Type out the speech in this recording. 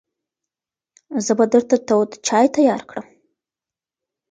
زه به درته تود چای تیار کړم.